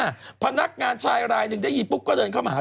ฮะศิริปินในขณะที่คอมเมนต์ในโลกออนไลน์ส่วนใหญ่